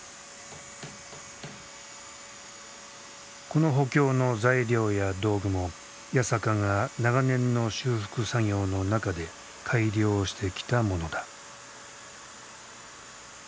この補強の材料や道具も八坂が長年の修復作業の中で改良してきたものだ。